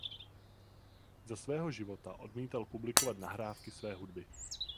Za svého života odmítal publikovat nahrávky své hudby.